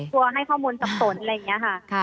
ให้ข้อมูลสับสนอะไรอย่างนี้ค่ะ